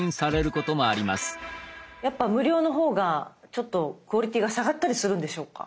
やっぱ無料の方がちょっとクオリティーが下がったりするんでしょうか？